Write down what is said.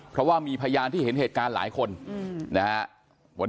เพราะว่ามีพยานที่เห็นเหตุการณ์หลายคนนะฮะ